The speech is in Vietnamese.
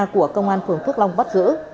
của công an phường phước long bắt giữ